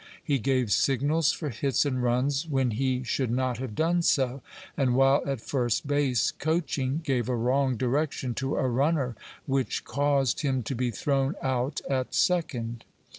He gave signals for hits and runs when he should not have done so, and while at first base, coaching, gave a wrong direction to a runner which caused him to be thrown out at second.